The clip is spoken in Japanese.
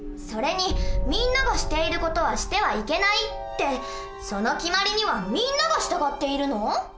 それに「みんながしている事はしてはいけない」ってその決まりにはみんなが従っているの？